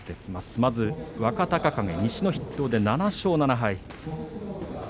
まず若隆景、西の筆頭です７勝７敗。